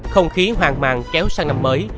không khí hoàng màng kéo sang năm mới